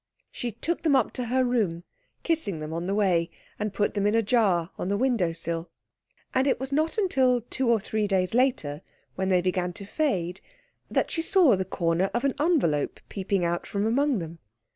She took them up to her room, kissing them on the way, and put them in a jar on the window sill; and it was not until two or three days later, when they began to fade, that she saw the corner of an envelope peeping out from among them.